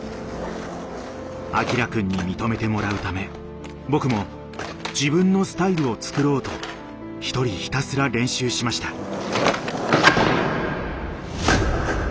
アキラくんに認めてもらうため僕も自分のスタイルを作ろうと１人ひたすら練習しました。